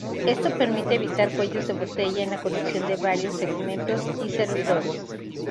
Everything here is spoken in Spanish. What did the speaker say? Esto permite evitar cuellos de botella en la conexión de varios segmentos y servidores.